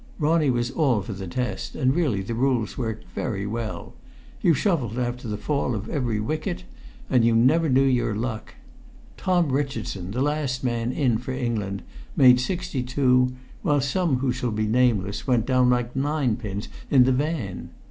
Ronnie was all for the test, and really the rules worked very well. You shuffled after the fall of every wicket, and you never knew your luck. Tom Richardson, the last man in for England, made sixty two, while some who shall be nameless went down like ninepins in the van.